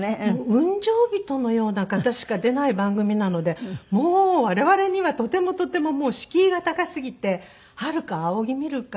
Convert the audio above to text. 雲上人のような方しか出ない番組なのでもう我々にはとてもとても敷居が高すぎてはるか仰ぎ見る感じで。